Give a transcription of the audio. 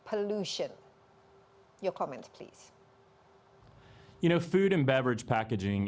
apa yang anda inginkan untuk melakukan untuk perusahaan anda